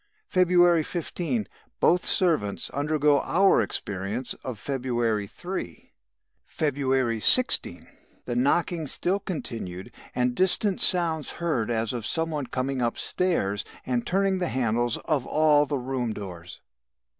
"February 15. Both servants undergo our experience of February 3. "February 16. The knockings still continued and distant sounds heard as of some one coming upstairs and turning the handles of all the room doors.